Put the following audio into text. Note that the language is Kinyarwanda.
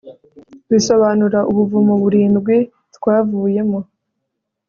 Bisobanura Ubuvumo burindwi twavuyemo